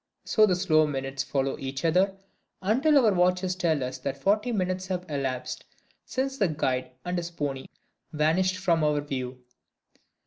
So the slow minutes follow each other, until our watches tell us that forty minutes have elapsed since the guide and his pony vanished from our view.